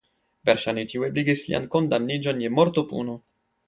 Verŝajne tio ebligis lian kondamniĝon je mortopuno.